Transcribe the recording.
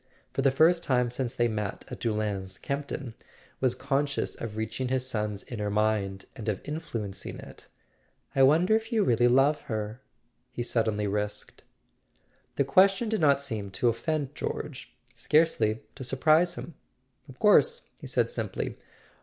For the first time since they had met at Doullens Campton was conscious of reaching his son's inner mind, and of in¬ fluencing it. "I wonder if you really love her?" he suddenly risked. The question did not seem to offend George, scarcely to surprise him. "Of course," he said simply.